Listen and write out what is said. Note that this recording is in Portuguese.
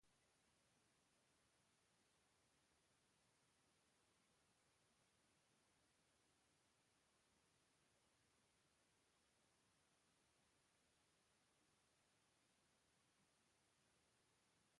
Eu acredito em Deus e sei que Ele nos dará forças para prosseguirmos.